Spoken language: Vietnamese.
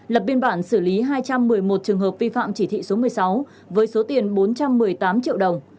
lập biên bản xử lý hai trăm một mươi một trường hợp vi phạm chỉ thị số một mươi sáu với số tiền bốn trăm một mươi tám triệu đồng